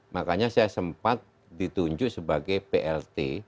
makanya saya sempat ditunjuk sebagai plt